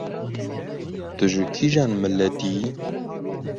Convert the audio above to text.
Tu ji kîjan miletî yî?